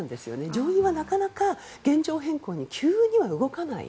上院はなかなか現状変更に急には動かない。